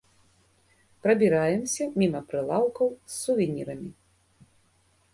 Прабіраемся міма прылаўкаў з сувенірамі.